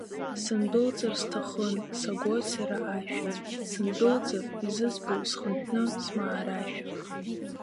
Сындәылҵыр сҭахым, сагоит сара ашәа, сындәылҵыр, изызбои схынҳәны смаарашәа?!